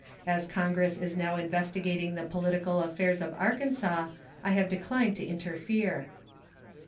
As Congress is now investigating the political affairs of Arkansas, I have declined to interfere.